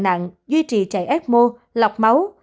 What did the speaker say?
bệnh nhân t đã bị bệnh nặng duy trì chạy ecmo lọc máu